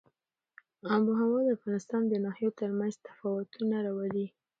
آب وهوا د افغانستان د ناحیو ترمنځ تفاوتونه راولي.